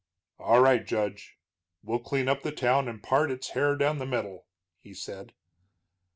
"All right, Judge; we'll clean up the town and part its hair down the middle," he said.